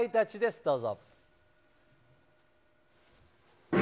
どうぞ。